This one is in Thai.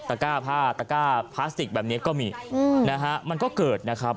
ก้าผ้าตะก้าพลาสติกแบบนี้ก็มีนะฮะมันก็เกิดนะครับ